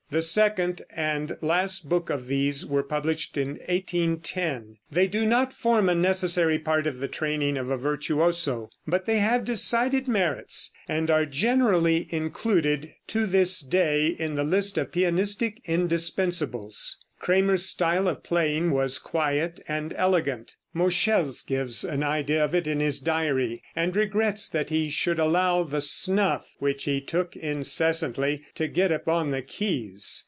The second, and last, book of these were published in 1810. They do not form a necessary part of the training of a virtuoso, but they have decided merits, and are generally included to this day in the list of pianistic indispensables. Cramer's style of playing was quiet and elegant. Moscheles gives an idea of it in his diary, and regrets that he should allow the snuff, which he took incessantly, to get upon the keys.